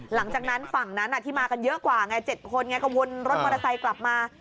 หลังจากนั้นฝั่งนั้นที่มากันเยอะกว่าไง๗คนไงก็วนรถมอเตอร์ไซค์กลับมา